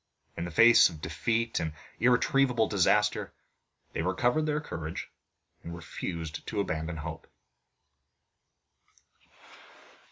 In the face of defeat and irretrievable disaster they recovered their courage, and refused to abandon hope.